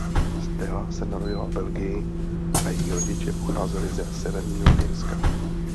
Stella se narodila v Belgii a její rodiče pocházeli ze Severního Irska.